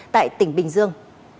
tại tỉnh bình dương